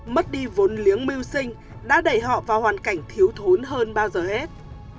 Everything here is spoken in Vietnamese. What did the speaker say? mất đi vốn liếng mưu sinh đã đẩy họ vào hoàn cảnh thiếu thốn hơn bao giờ hết